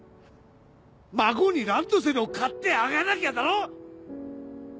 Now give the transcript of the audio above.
孫にランドセルを買ってあげなきゃだろ